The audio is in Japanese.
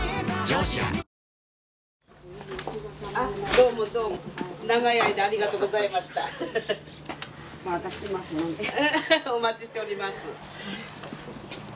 どうもどうも長い間ありがとうございましたまた来ますのでお待ちしております